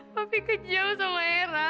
papi kejauh sama eram